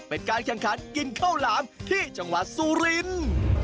เป็นการแข่งขันกินข้าวหลามที่จังหวัดสุรินทร์